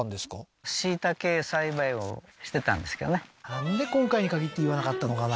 なんで今回に限って言わなかったのかな